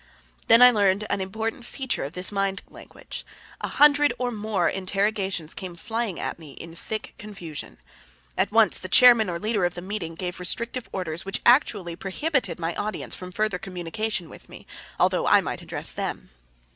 Then I learned an important feature of this mind language. A hundred or more interrogations came flying at me in thick confusion. At once the chairman or leader of the meeting gave restrictive orders which actually prohibited my audience from further communication with me, although I might address them.